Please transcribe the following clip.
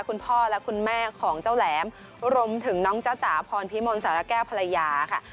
คุณพ่อและคุณแม่ของเจ้าแหลมรวมถึงน้องจ้าจ๋าพรพิมลสารแก้วภรรยาค่ะ